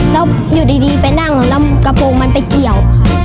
แล้วอยู่ดีไปนั่งแล้วกระโปรงมันไปเกี่ยวค่ะ